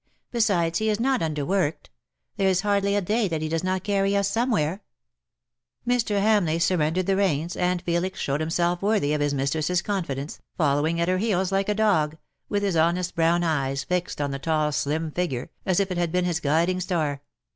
Besides, he is not underworked. There is hardly a day that he does not carry us somewhere .''' Mr. Hamleigh surrendered the reins, and Felix showed himself worthy of his mistress's confidence, following at her heels like a dog, with his honest brown eyes fixed on the slim tall figure, as if it had been his guiding star.